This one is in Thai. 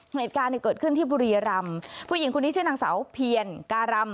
เหตุการณ์เนี่ยเกิดขึ้นที่บุรีรำผู้หญิงคนนี้ชื่อนางสาวเพียรการำ